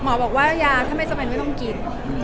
หมอบอกว่ายาถ้าไม่จำเป็นไม่ต้องกิน